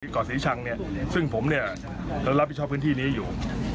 ก่อสีชังซึ่งผมรับผิดชอบพื้นที่นี้อยู่